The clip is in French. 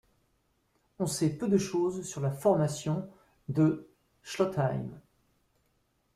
On sait peu de choses sur la formation de Schlottheim.